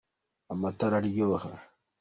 amata araryoha